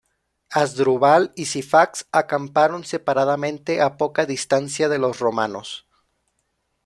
Asdrúbal y Sifax acamparon separadamente a poca distancia de los romanos.